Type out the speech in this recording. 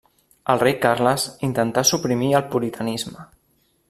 El rei Carles intentà suprimir el puritanisme.